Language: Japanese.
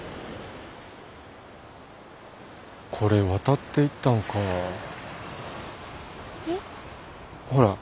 これ渡っていったんかあ。